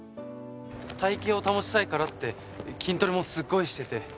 体形を保ちたいからって筋トレもすっごいしてて。